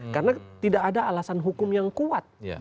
karena tidak ada alasan hukum yang kuat